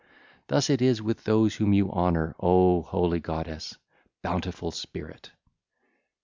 Thus is it with those whom you honour O holy goddess, bountiful spirit.